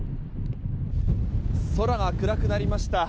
空が暗くなりました。